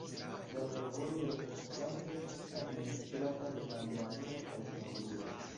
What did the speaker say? La fervojo estas ŝtate administrata de Tanzanio kaj Zambio.